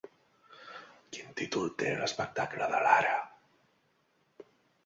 Quin títol té l'espectacle de Lara?